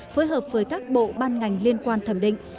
phối hợp với các bộ ban ngành liên quan thẩm định